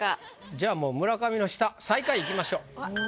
じゃあもう村上の下最下位いきましょう。